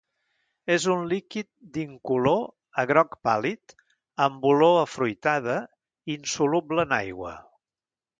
És un líquid d'incolor a groc pàl·lid, amb olor afruitada, insoluble en aigua.